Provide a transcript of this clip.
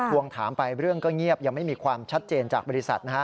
วงถามไปเรื่องก็เงียบยังไม่มีความชัดเจนจากบริษัท